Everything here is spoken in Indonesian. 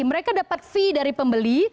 mereka dapat fee dari pembeli